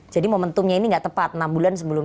jadi momentumnya ini nggak tepat enam bulan sebelum